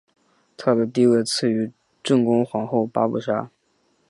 她的地位次于正宫皇后八不沙。